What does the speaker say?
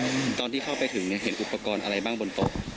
ตอนที่เข้าไปถึงเนี้ยเห็นอุปกรณ์อะไรบ้างบนโต๊ะ